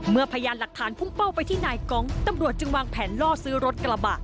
พยานหลักฐานพุ่งเป้าไปที่นายกองตำรวจจึงวางแผนล่อซื้อรถกระบะ